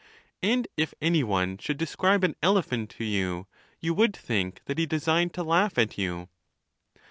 241 and if any one should desoi'ibe an elephant to you, you would think that he designed to laugh at you.